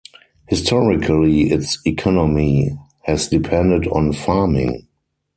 Historically, its economy has depended on farming.